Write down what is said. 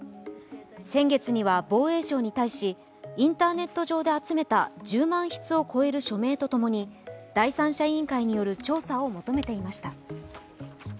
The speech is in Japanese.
先月には防衛省に対し、インターネット上で集めた１０万筆を超える署名とともに、第三者委員会による調査を求めていました。